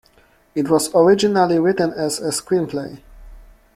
It was originally written as a screenplay.